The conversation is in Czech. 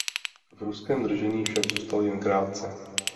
V ruském držení však zůstal jen krátce.